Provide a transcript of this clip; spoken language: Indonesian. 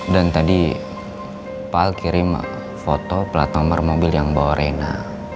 dan tadi pak al kirim foto pelatang omar mobil yang bawa reina